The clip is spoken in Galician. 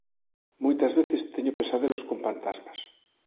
Moitas veces teño pesadelos con pantasmas